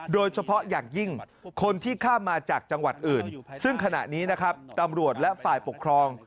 โดยเฉพาะอย่างยิ่งคนที่ข้ามมาจากจังหวัดอื่นซึ่งขณะนี้นะครับตำรวจและฝ่ายปกครอง